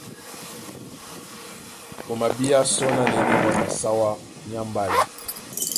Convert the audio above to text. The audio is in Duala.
O mabíá sɔ́ ná na e ndé ŋgɔn a sáwá nyá mbálɛ.